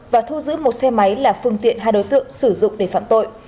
và thu giữ một xe máy là phương tiện hai đối tượng sử dụng để phạm tội